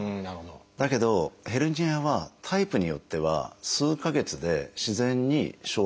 だけどヘルニアはタイプによっては数か月で自然に消滅するということもあるんですよね。